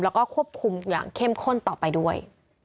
แล้วก็ควบคุมอย่างเข้มข้นต่อไปด้วย